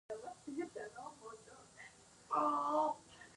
د ازبکستان سره سوداګري څومره ده؟